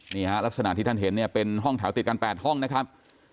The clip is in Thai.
นี่ฮะลักษณะที่ท่านเห็นเนี่ยเป็นห้องแถวติดกัน๘ห้องนะครับ